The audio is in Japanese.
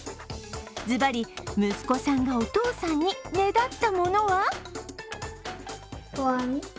ずばり、息子さんがお父さんにねだったものは？